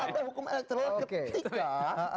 ada hukuman elektoral ketika